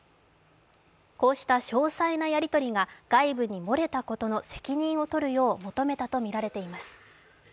こうした詳細なやりとりが外部に漏れたことの責任を取るよう求めたとみられています。